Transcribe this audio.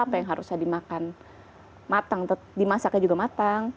apa yang harusnya dimakan matang dimasaknya juga matang